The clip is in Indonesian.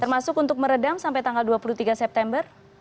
termasuk untuk meredam sampai tanggal dua puluh tiga september